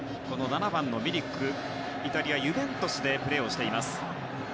７番のミリクはイタリアのユベントスでプレーをしています。